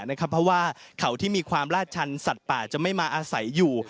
เพราะว่าเขาที่มีความลาดชันสัตว์ป่าจะไม่มาอาศัยอยู่